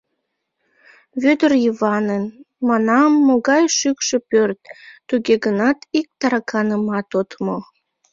Вӧдыр Йыванын, — манам, — могай шӱкшӧ пӧрт, туге гынат ик тараканымат от му.